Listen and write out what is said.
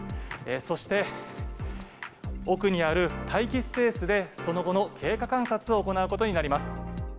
そして、奥にある待機スペースで、その後の経過観察を行うことになります。